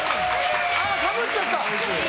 かぶっちゃった！